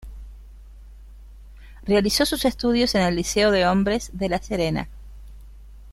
Realizó sus estudios en el Liceo de Hombres de La Serena.